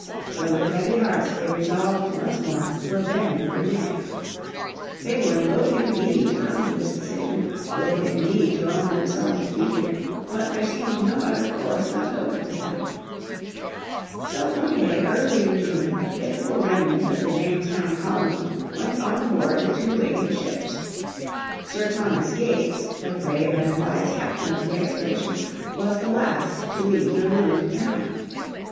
So with heavy hearts they resolved once more to abandon Virginia. They were loath indeed to come to this decision, loath indeed to own themselves defeated. But there seemed no other course left open to them. So one day early in June the pitiful remnant of the Jamestown Colony went on board the two waiting ships. Sir Thomas Gates, the brave and wise captain of the expedition, was the last to leave the ruined town.